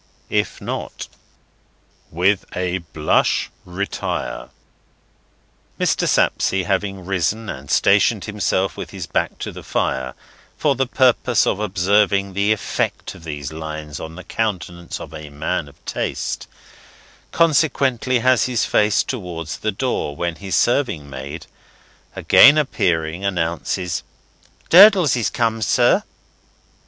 If Not, WITH A BLUSH RETIRE. Mr. Sapsea having risen and stationed himself with his back to the fire, for the purpose of observing the effect of these lines on the countenance of a man of taste, consequently has his face towards the door, when his serving maid, again appearing, announces, "Durdles is come, sir!"